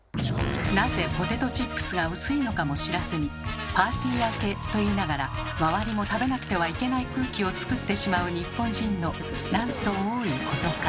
なぜポテトチップスが薄いのかも知らずに「パーティー開け」といいながら周りも食べなくてはいけない空気を作ってしまう日本人のなんと多いことか。